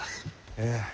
ええ。